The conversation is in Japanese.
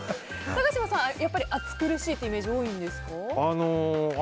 高嶋さん、やっぱり暑苦しいっていうイメージ多いんですか？